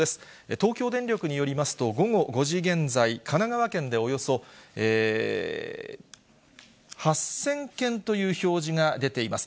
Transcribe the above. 東京電力によりますと、午後５時現在、神奈川県でおよそ８０００軒という表示が出ています。